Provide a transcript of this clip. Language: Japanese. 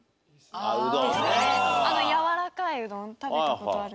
あのやわらかいうどん食べた事ある。